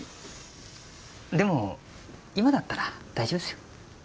でも今だったら大丈夫ですよ。